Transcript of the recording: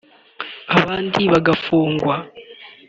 abandi bagafungwa